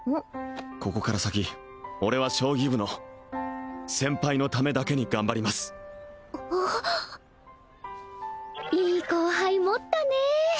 ここから先俺は将棋部の先輩のためだけに頑張りますいい後輩持ったね